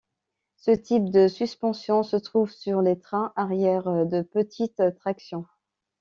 Ce type de suspension se trouve sur les trains arrière de petites tractions.